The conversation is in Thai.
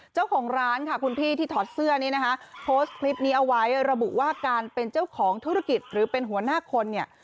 เจ้าของร้านค่ะคุณพี่ที่ถอดเสื้อนี้นะคะโพสต์คลิปนี้เอาไว้ระบุว่าการเป็นเจ้าของธุรกิจหรือเป็นหัวหน้าคนเนี่ย